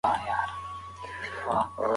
دوی پوښتنه کوي چې ولې د طلاق ګراف لوړ دی.